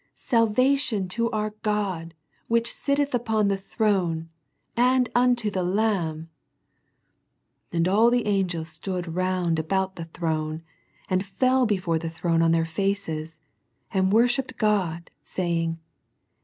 Salvation to our God which sitteth upon the throne, and unto the Lamb. And all the angels stood round about the throne, and fell before the throne on their faces, and wor shipped God, saying.